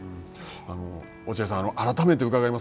落合さん、改めて伺います。